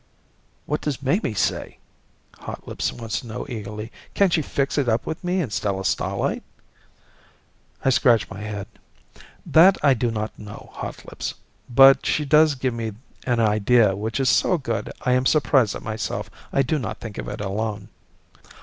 "What does Mamie say?" Hotlips wants to know eagerly. "Can she fix it up with me and Stella Starlight?" I scratch my head. "That I do not know, Hotlips, but she does give me an idea which is so good I am surprised at myself I do not think of it alone."